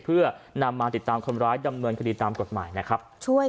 เพื่อนำมาติดตามคนร้ายดำเนินคดีตามกฎหมายนะครับ